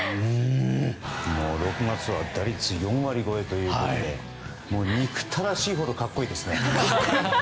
６月は打率４割超えということでもう憎たらしいほど格好いいですね。